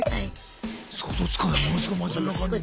想像つかないものすごい真面目な感じで。